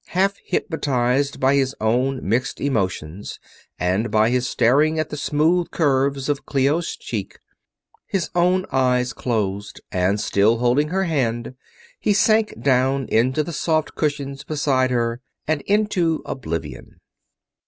Half hypnotized by his own mixed emotions and by his staring at the smooth curves of Clio's cheek, his own eyes closed and, still holding her hand, he sank down into the soft cushions beside her and into oblivion.